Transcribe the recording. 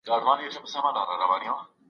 پاک پر شرعه برابر مسلمانان دي